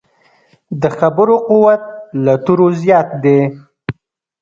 د خبرو قوت له تورو زیات دی.